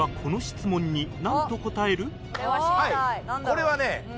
これはね